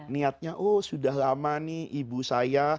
niatnya oh sudah lama nih ibu saya